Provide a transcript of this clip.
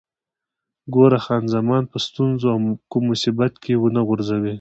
ګوره، خان زمان په ستونزو او کوم مصیبت کې ونه غورځوې.